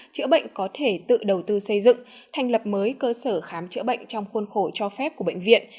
chữa bệnh có thể tự đầu tư xây dựng thành lập mới cơ sở khám chữa bệnh trong khuôn khổ cho phép của bệnh viện